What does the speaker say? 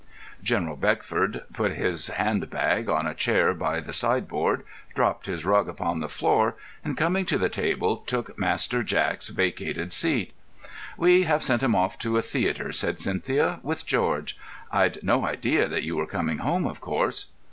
General Beckford put his hand bag on a chair by the sideboard, dropped his rug upon the floor, and, coming to the table, took Master Jack's vacated seat. "We have sent him to a theatre," said Cynthia, "with George. I'd no idea that you were coming home, of course."